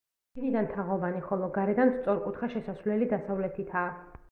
შიგნიდან თაღოვანი, ხოლო გარედან სწორკუთხა შესასვლელი დასავლეთითაა.